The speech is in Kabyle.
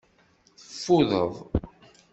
Teffudeḍ.